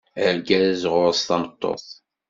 Argaz ɣur-s tameṭṭut.